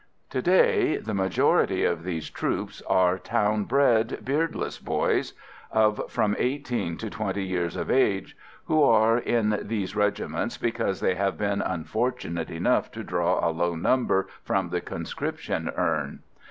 To day, the majority of these troops are town bred, beardless boys, of from eighteen to twenty years of age, who are in these regiments because they have been unfortunate enough to draw a low number from the conscription urn.